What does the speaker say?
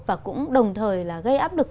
và cũng đồng thời gây áp lực